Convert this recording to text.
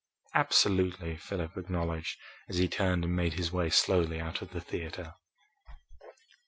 "Absolutely," Philip acknowledged, as he turned and made his way slowly out of the theatre.